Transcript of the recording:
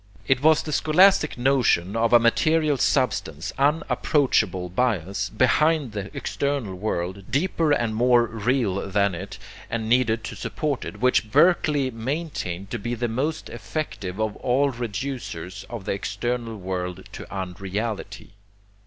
It was the scholastic notion of a material substance unapproachable by us, BEHIND the external world, deeper and more real than it, and needed to support it, which Berkeley maintained to be the most effective of all reducers of the external world to unreality.